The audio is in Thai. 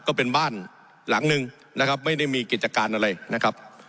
ก็เป็นบ้านหลังหนึ่งนะครับไม่ได้มีกิจการอะไรนะครับ